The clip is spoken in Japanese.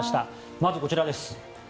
まず、こちらです。